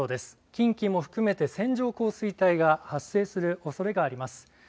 近畿も含めて線状降水帯が発生するおそれがあります。